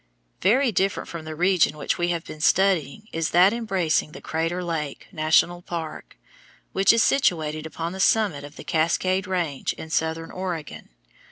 Very different from the region which we have been studying is that embracing the Crater Lake, National Park, which is situated upon the summit of the Cascade Range in southern Oregon.